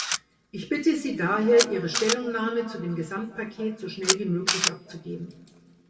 Ich bitte Sie daher, Ihre Stellungnahme zu dem Gesamtpaket so schnell wie möglich abzugeben.